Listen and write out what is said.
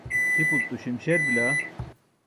hipulto śimśer bila